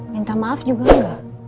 minta maaf juga enggak